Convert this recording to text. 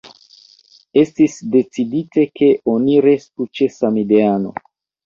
Estis decidite, ke oni restu ĉe „samideano”.